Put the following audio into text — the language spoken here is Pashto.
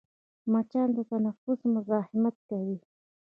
مچان د تنفس مزاحمت کوي